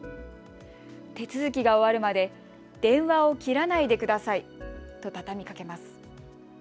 手続きが終わるまで電話を切らないでくださいと畳みかけます。